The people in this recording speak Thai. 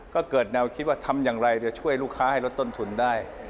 ก็เกิดแนวคิดว่าทำอย่างไรจะช่วยลูกค้าให้ลดต้นทุนได้